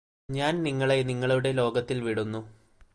ഞാന് നിങ്ങളെ നിങ്ങളുടെ ലോകത്തില് വിടുന്നു